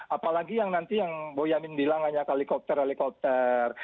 apalagi yang nanti yang boyamin bilang hanya helikopter helikopter